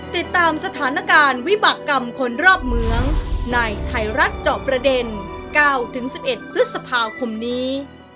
ติดตามสถานการณ์วิบากรรมคนรอบเมืองในไทยรัฐเจาะประเด็น๙๑๑พฤษภาคมนี้